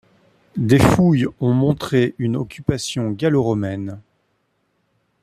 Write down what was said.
Des fouilles ont montré une occupation gallo-romaine.